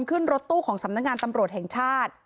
ขึ้นรถตู้ของสำนักงานตำรวจแห่งชาติ